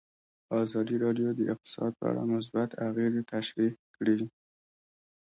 ازادي راډیو د اقتصاد په اړه مثبت اغېزې تشریح کړي.